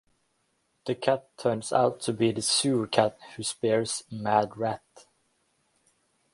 The cat turns out to be the sewer cat who spares Mad Rat.